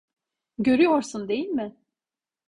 Görüyorsun, değil mi?